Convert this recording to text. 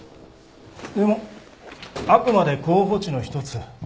でもあくまで候補地の一つ。